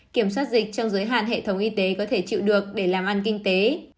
kiểm soát dịch trong giới hạn hệ thống y tế có thể chịu được để làm ăn kinh tế